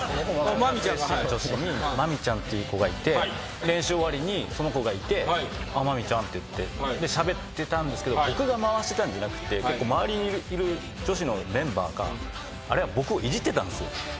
ＳＣの女子にまみちゃんっていう子がいて練習終わりにその子がいて「あっまみちゃん」って言ってしゃべってたんですけど僕が回してたんじゃなくて周りにいる女子のメンバーがあれは僕をいじってたんですよ。